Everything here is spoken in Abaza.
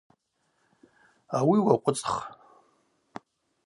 Ауи уакъвыцӏх.